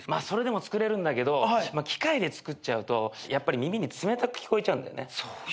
それでも作れるんだけど機械で作っちゃうとやっぱり耳に冷たく聞こえちゃうんだよね。